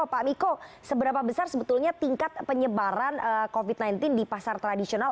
pak miko seberapa besar sebetulnya tingkat penyebaran covid sembilan belas di pasar tradisional